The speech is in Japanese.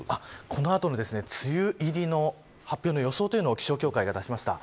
この後の梅雨入りの発表の予想を気象協会が出しました。